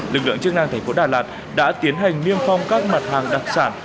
lực lượng chức năng thành phố đà lạt đã tiến hành niêm phong các mặt hàng đặc sản